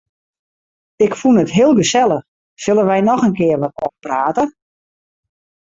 Ik fûn it heel gesellich, sille wy noch in kear wat ôfprate?